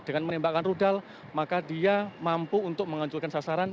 dengan menembakkan rudal maka dia mampu untuk menghancurkan sasaran